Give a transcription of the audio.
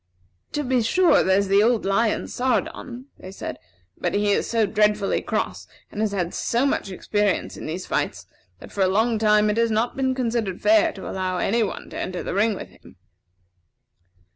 "To be sure, there's the old lion, Sardon," they said; "but he is so dreadfully cross and has had so much experience in these fights, that for a long time it has not been considered fair to allow any one to enter the ring with him."